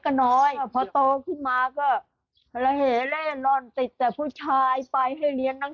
ก็น้อยพอโตขึ้นมาก็ระเหแร่ร่อนติดแต่ผู้ชายไปให้เลี้ยงน้อง